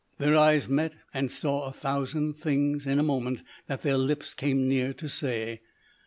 Their eyes met and saw a thousand things in a moment that their lips came near to say.